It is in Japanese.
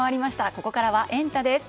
ここからはエンタ！です。